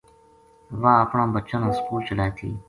واہ اپنا بچاں نا سکول چلائے تھی